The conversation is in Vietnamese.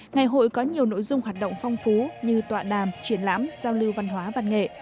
ngày hội có nhiều nội dung hoạt động phong phú như tọa đàm triển lãm giao lưu văn hóa văn nghệ